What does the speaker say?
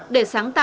để sáng tạo dự án